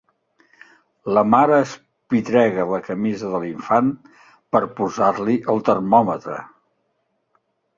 La mare espitrega la camisa de l'infant per posar-li el termòmetre.